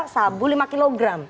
sabu lima kg